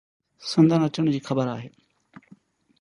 سندن اچڻ جي خبر آهي